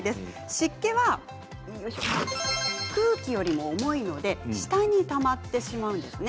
湿気は空気よりも重いので下にたまってしまうんですね。